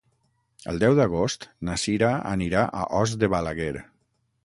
El deu d'agost na Cira anirà a Os de Balaguer.